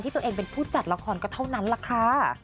ตัวเองเป็นผู้จัดละครก็เท่านั้นแหละค่ะ